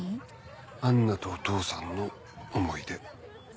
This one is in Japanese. アンナとお父さんの思い出。